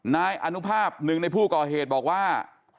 นายอนุภาพหนึ่งในผู้ก่อเหตุบอกว่า